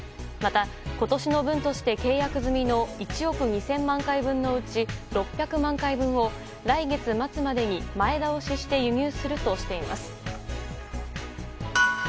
また、今年の分として契約済みの１億２０００万回分のうち６００万回分を来月末までに前倒しして輸入するとしています。